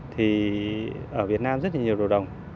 thì ở việt nam rất là nhiều đồ đồng